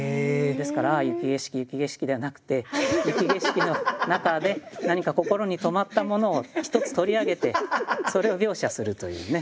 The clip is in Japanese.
ですから「ああ雪景色雪景色」ではなくて雪景色の中で何か心に留まったものを１つ取り上げてそれを描写するというね。